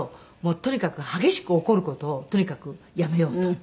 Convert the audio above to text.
とにかく激しく怒る事をとにかくやめようと。